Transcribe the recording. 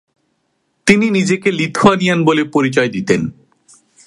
তিনি নিজেকে লিথুয়ানিয়ান বলে পরিচয় দিতেন।